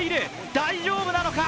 大丈夫なのか？